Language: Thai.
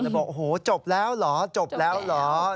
แล้วบอกโอ้จบแล้วเหรอ